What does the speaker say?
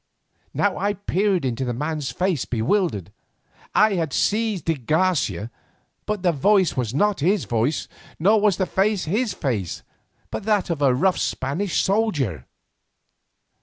Now I peered into the man's face bewildered. I had seized de Garcia, but the voice was not his voice, nor was the face his face, but that of a rough Spanish soldier.